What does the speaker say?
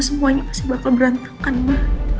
semuanya pasti bakal berantakan mah